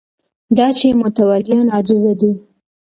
دا چې متولیان عاجزه دي